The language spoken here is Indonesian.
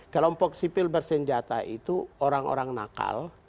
kelompok sipil bersenjata itu orang orang nakal